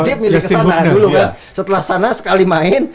dia milih ke sana dulu kan setelah sana sekali main